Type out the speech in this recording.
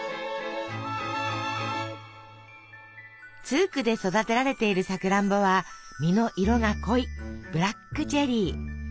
ツークで育てられているさくらんぼは実の色が濃いブラックチェリー。